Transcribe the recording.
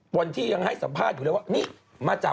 บรรที่ยังให้สัมภาษณ์อยู่แล้วว่า